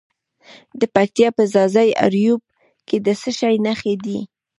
د پکتیا په ځاځي اریوب کې د څه شي نښې دي؟